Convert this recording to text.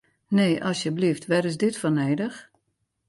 Nee, asjeblyft, wêr is dit foar nedich?